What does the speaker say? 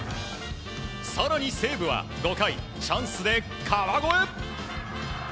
更に西武は５回チャンスで川越。